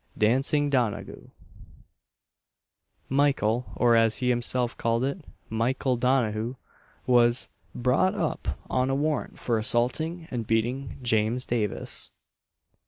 DANCING DONAGHU. Michael or as he himself called it, "Mykle Donaghu," was brought up on a warrant for assaulting and beating James Davis.